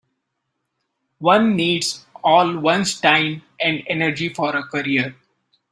One needs all one's time and energy for a career.